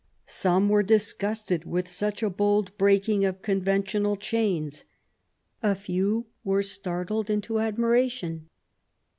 Some were disgusted with such a bold breaking of conventional chains ; a few were startled into admiration.